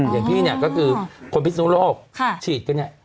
อย่างพี่ก็คือคนพิจารณโลกฉีดก็แหง